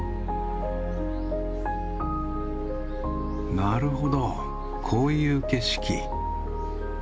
なるほどこういう景色。